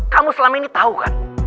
kamu selama ini tahu kan